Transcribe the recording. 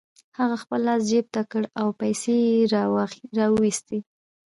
هغه خپل لاس جيب ته کړ او پيسې يې را و ايستې.